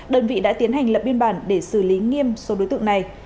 đơn vị đã tiến hành lập biên bản để xử lý nghiêm số đối tượng này